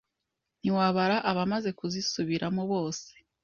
ntiwabara abamaze kuzisubiramo bose.